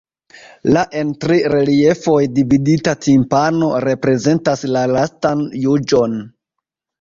La en tri reliefoj dividita timpano reprezentas la Lastan juĝon.